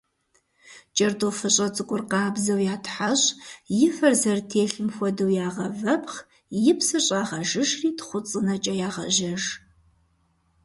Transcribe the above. Кӏэртӏофыщӏэ цӏыкӏур къабзэу ятхьэщӏ, и фэр зэрытелъым хуэдэу ягъэвэпхъ, и псыр щӏагъэжыжри тхъуцӏынэкӏэ ягъэжьэж.